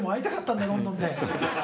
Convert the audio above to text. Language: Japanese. そうです。